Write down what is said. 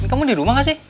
ini kamu di rumah gak sih